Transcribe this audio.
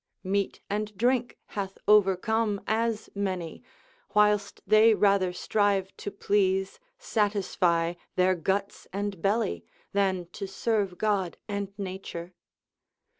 Meat and drink hath overcome as many, whilst they rather strive to please, satisfy their guts and belly, than to serve God and nature.